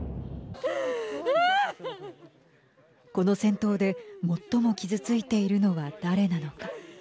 この戦闘で最も傷ついているのは誰なのか。